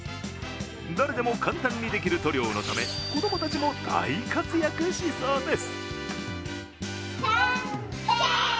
誰でも簡単にできる塗料のため子供たちも大活躍しそうです。